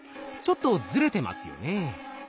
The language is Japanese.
ちょっとずれてますよね。